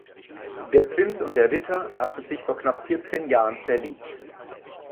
Der Prinz und der Ritter hatten sich vor knapp vierzehn Jahren verliebt